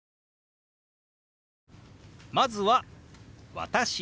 まずは「私」。